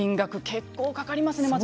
結構かかりますね。